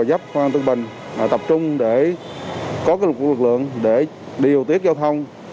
công an tp hcm và công an tp hcm tập trung để có lực lượng để điều tiết giao thông